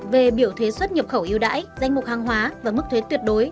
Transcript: về biểu thuế xuất nhập khẩu yêu đãi danh mục hàng hóa và mức thuế tuyệt đối